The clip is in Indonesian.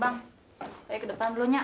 ayo ke depan dulu nyak